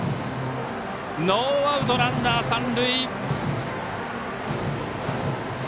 ノーアウト、ランナー、三塁。